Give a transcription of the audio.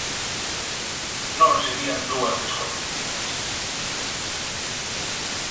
Non serían dúas descoñecidas.